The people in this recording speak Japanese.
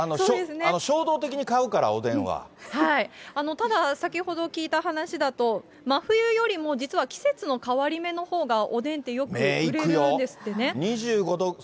ただ、先ほど聞いた話だと、真冬よりも、実は季節の変わり目のほうがおでんってよく売れるんですってね。